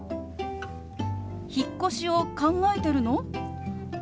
「引っ越しを考えてるの？」。